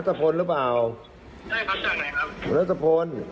นัตรภนหรือเปล่าได้ครับจากไหนครับ